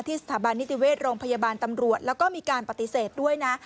สถาบันนิติเวชโรงพยาบาลตำรวจแล้วก็มีการปฏิเสธด้วยนะ